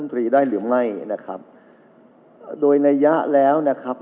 ตรีได้หรือไม่นะครับโดยนัยยะแล้วนะครับ